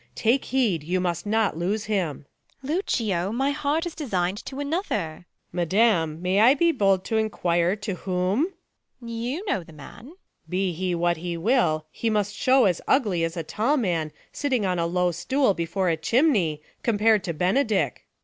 Take heed, you must not lose liim. Beat. Lucio, my heart is desigii'd to another. Luc. Madam, may I be bold t' enquire to whom ? Beat. You know the man. Luc. Be he wliat he will, he must shew as ugly As a tall man sitting on a low stool Before a chimney, compared to Benedick.